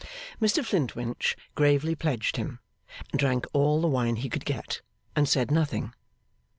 Mr Flintwinch gravely pledged him, and drank all the wine he could get, and said nothing.